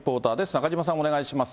中島さん、お願いします。